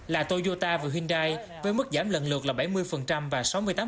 là toyota và hyundai với mức giảm lần lượt là bảy mươi và sáu mươi tám